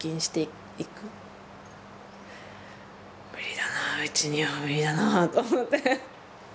無理だなあうちには無理だなあと思って。